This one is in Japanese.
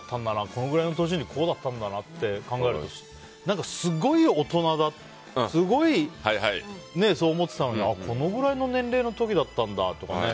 このくらいの年にこうだったんだなって考えるとすごい大人だって思っていたのにこのくらいの年齢の時だったんだとかね